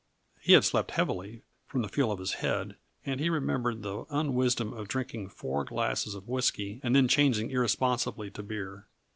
He had slept heavily, from the feel of his head, and he remembered the unwisdom of drinking four glasses of whisky and then changing irresponsibly to beer.